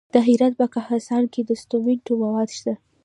د هرات په کهسان کې د سمنټو مواد شته.